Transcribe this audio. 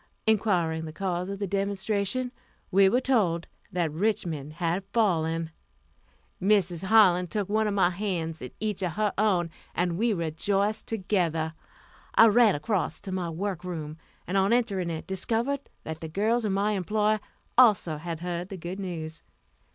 Inquiring the cause of the demonstration, we were told that Richmond had fallen. Mrs. Harlan took one of my hands in each of her own, and we rejoiced together. I ran across to my work room, and on entering it, discovered that the girls in my employ also had heard the good news.